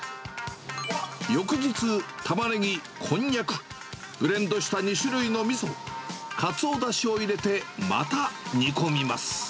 翌日、タマネギ、コンニャク、ブレンドした２種類のみそ、カツオだしを入れてまた煮込みます。